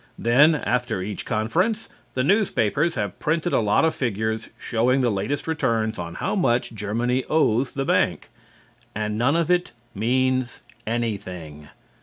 Then, after each conference, the newspapers have printed a lot of figures showing the latest returns on how much Germany owes the bank. And none of it means anything.